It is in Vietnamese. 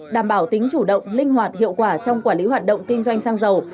đảm bảo tính chủ động linh hoạt hiệu quả trong quản lý hoạt động kinh doanh xăng dầu